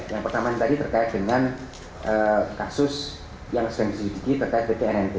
yang pertama tadi terkait dengan kasus yang sedang diselidiki terkait ptnp